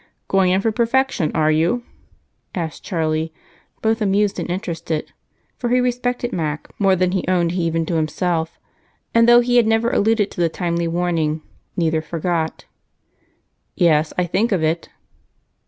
"Going in for perfection, are you?" asked Charlie, both amused and interested, for he respected Mac more than he owned even to himself, and though he had never alluded to the timely warning, neither forgot. "Yes, I think of it."